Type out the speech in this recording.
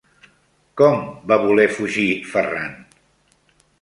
Com va voler fugir Ferran?